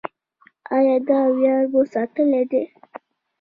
آیا دا ویاړ مو ساتلی دی؟